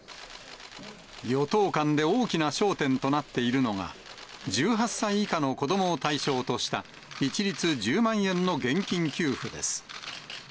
与党間で大きな焦点となっているのが、１８歳以下の子どもを対象とした一律１０万円の現金給付です。